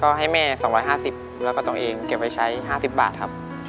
ก็ให้แม่๒๕๐แล้วก็ตัวเองเก็บไว้ใช้๕๐บาทครับ